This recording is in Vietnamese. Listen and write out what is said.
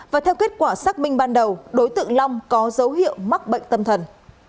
và theo kết quả xác minh ban đầu đối tượng long có dấu hiệu mắc bệnh tâm thần